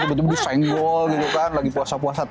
tiba tiba disenggol gitu kan lagi puasa puasa